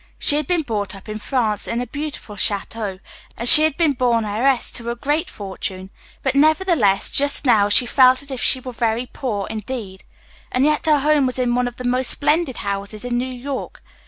She had been born in France, in a beautiful château, and she had been born heiress to a great fortune, but, nevertheless, just now she felt as if she was very poor, indeed. And yet her home was in one of the most splendid houses in New York.